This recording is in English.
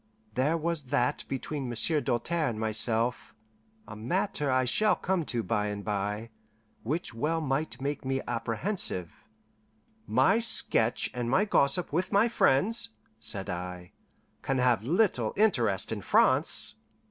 There was that between Monsieur Doltaire and myself a matter I shall come to by and bye which well might make me apprehensive. "My sketch and my gossip with my friends," said I, "can have little interest in France."